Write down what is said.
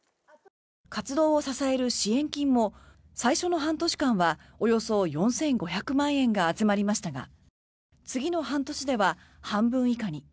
活動を支える支援金も最初の半年間はおよそ４５００万円が集まりましたが次の半年では半分以下に。